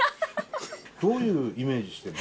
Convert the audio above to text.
どういうイメージしてるの？